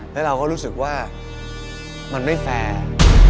แล้วเราก็รู้สึกว่ามันไม่แฟร์